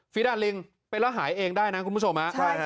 ดาลิงเป็นแล้วหายเองได้นะคุณผู้ชม